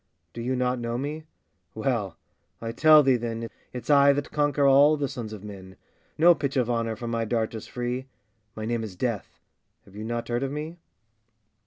Do you not know me? well! I tell thee, then, It's I that conquer all the sons of men! No pitch of honour from my dart is free; My name is Death! have you not heard of me?